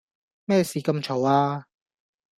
咩事咁嘈呀